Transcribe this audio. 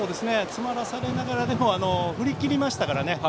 詰まらされながらでも振り切りましたからね。